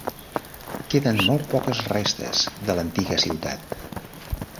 Queden molt poques restes de l'antiga ciutat.